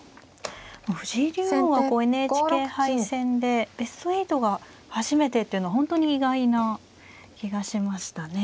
藤井竜王はＮＨＫ杯戦でベスト８が初めてっていうのは本当に意外な気がしましたね。